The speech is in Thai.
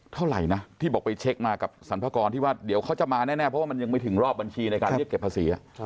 เท่าไหร่นะที่บอกไปเช็คมากับสรรพากรที่ว่าเดี๋ยวเขาจะมาแน่เพราะว่ามันยังไม่ถึงรอบบัญชีในการเรียกเก็บภาษี